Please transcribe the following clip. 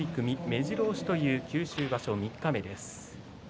めじろ押しという九州場所三日目です。